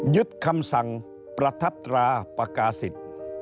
คำสั่งประทับตราประกาศิษย์